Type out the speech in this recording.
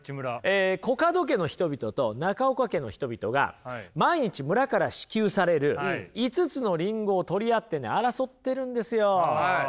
コカド家の人々と中岡家の人々が毎日村から支給される５つのりんごを取り合ってね争ってるんですよ。